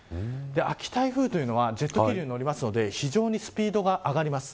秋台風というのはジェット気流に乗るので非常にスピードが上がります。